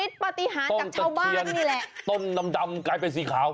อิทธิฤทธิ์ปฏิหารจากชาวบ้านนี่แหละต้มตะเคียนต้มดำกลายเป็นสีขาว